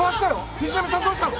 藤波さん、どうしたの？